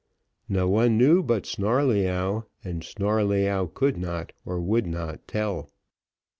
No one knew but Snarleyyow, and Snarleyyow could not or would not tell.